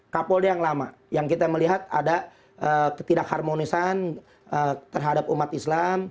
kapolda yang lama yang kita melihat ada ketidakharmonisan terhadap umat islam